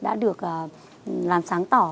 đã được làm sáng tỏ